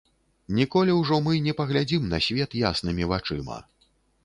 Ніколі ўжо мы не паглядзім на свет яснымі вачыма.